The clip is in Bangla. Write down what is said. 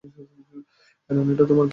অ্যারন, এটা তোমার থেকে।